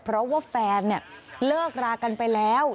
เพราะว่าแฟนเนี่ยเลิกรากันไปแล้ว